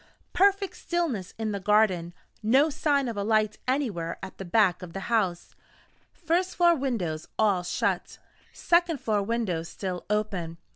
Perfect stillness in the garden: no sign of a light anywhere at the back of the house: first floor windows all shut: second floor windows still open.